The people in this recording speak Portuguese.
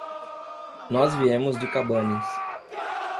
Nós viemos de Cabanes.